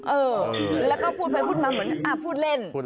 เออแล้วก็พูดไปพูดมาเหมือนพูดเล่น